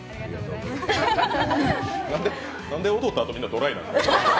なんで踊ったあと、みんなドライなの？